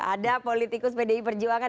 ada politikus bdi perjuangan